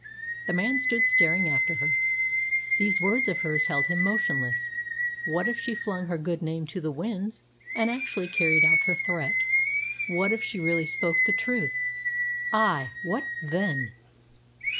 The man stood staring after her. These words of hers held him motionless. What if she flung her good name to the winds and actually carried out her threat? What if she really spoke the truth? Ay, what then?